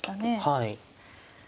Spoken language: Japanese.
はい。